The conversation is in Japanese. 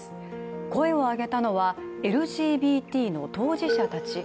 声を上げたのはＬＧＢＴの当事者たち。